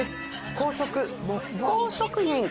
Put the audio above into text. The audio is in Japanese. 高速木工職人。